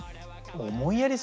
思いやり